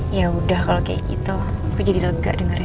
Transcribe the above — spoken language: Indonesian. yaudah kalau kayak gitu aku jadi lega dengarnya